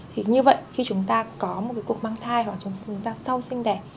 thì như vậy khi chúng ta có một cái cuộc mang thai hoặc chúng ta sau sinh đẻ